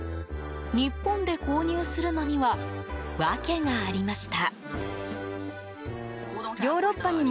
日本で購入するのには訳がありました。